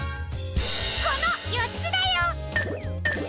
このよっつだよ！